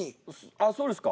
あっそうですか。